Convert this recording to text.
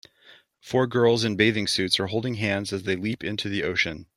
Four girls in bathing suits are holding hands as they leap into the ocean.